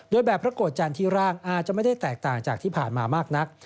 โดยแบบพระโกรธจันทร์ที่ร่างอาจจะไม่ได้แตกต่างจากที่ผ่านมามากนัก